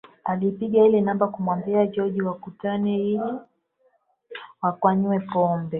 Aliipiga ile namba na kumwambia George wakutane ili wakanywe pombe